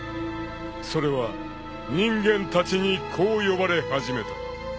［それは人間たちにこう呼ばれ始めた］